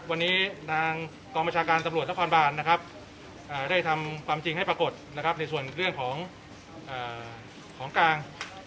วันนี้กองประชาการสำรวจละครบาลได้ทำความจริงให้ปรากฏในส่วนเรื่องของกลาง